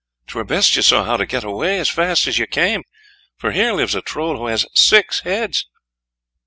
'Twere best you saw how to get away as fast as you came; for here lives a Troll who has six heads."